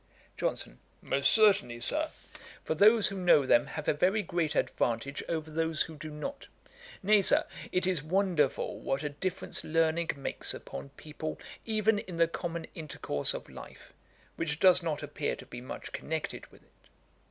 JOHNSON. 'Most certainly, Sir; for those who know them have a very great advantage over those who do not. Nay, Sir, it is wonderful what a difference learning makes upon people even in the common intercourse of life, which does not appear to be much connected with it.'